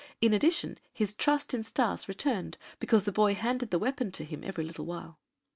In addition, his trust in Stas returned because the boy handed the weapon to him every little while.